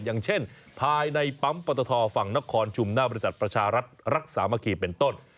อย่างเช่นภายในปั๊มปตทฝั่งนครชุมหน้าบริษัทประชารัฐรักษามะคีเป็นต้น